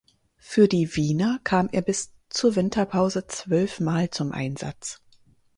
Für die Wiener kam er bis zur Winterpause zwölfmal zum Einsatz.